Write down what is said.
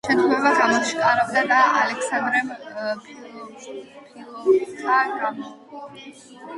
შეთქმულება გამოაშკარავდა და ალექსანდრემ ფილოტა მოაკვლევინა.